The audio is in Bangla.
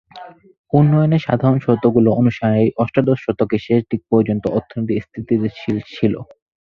উন্নয়নের সাধারণ শর্তগুলো অনুসারেই অষ্টাদশ শতকের শেষ দিক পর্যন্ত অর্থনীতি স্থিতিশীল ছিল।